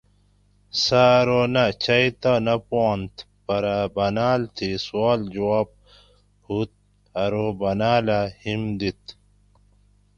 سۤہ ارو نہ چئ تہ نہ پوانت پرہ باۤناۤل تھی سوال جواب ہُت ارو باۤناۤلہ ہیم دِیت